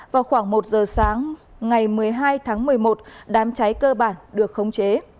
vào khoảng một giờ sáng ngày một mươi hai tháng một mươi một đám cháy cơ bản được khống chế